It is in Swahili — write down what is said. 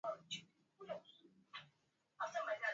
Watalii wengi kutoka ndani na nje hufika kujionea Kobe hao wakubwa